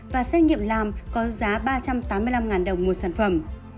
và xét nghiệm làm có giá ba trăm tám mươi năm đồng một sản phẩm